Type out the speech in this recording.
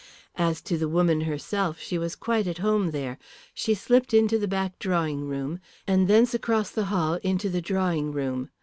As to the woman herself, she was quite at home there. She slipped into the back drawing room, and thence across the hall into the drawing room.